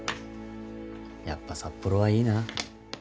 やっぱ札幌はいいな。